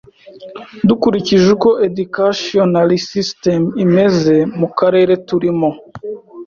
dukurikije uko educational system imeze mu karere turimo